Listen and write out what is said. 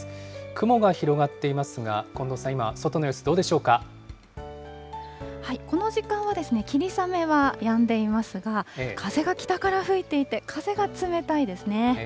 雲が広がっていますが、近藤さん、この時間は、霧雨はやんでいますが、風が北から吹いていて、風が冷たいですね。